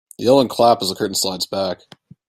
Yell and clap as the curtain slides back.